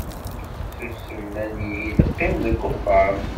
Susem, nnan-iyi-d qqim deg uxxam.